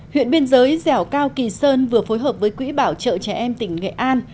huyện biên giới dẻo cao kỳ sơn vừa phối hợp với quỹ bảo trợ trẻ em tỉnh nghệ an